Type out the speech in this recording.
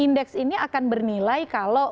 indeks ini akan bernilai kalau